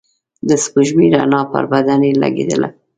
د سپوږمۍ رڼا پر بدنې لګېدله.